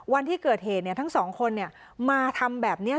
วันที่เกิดเหตุเนี่ยทั้งสองคนเนี่ยมาทำแบบเนี้ย